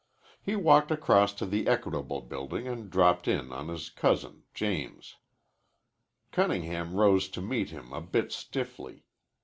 He walked across to the Equitable Building and dropped in on his cousin James. Cunningham rose to meet him a bit stiffly.